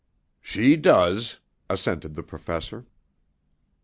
"She does," assented the Professor.